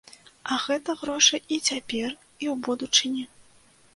А гэта грошы і цяпер, і ў будучыні.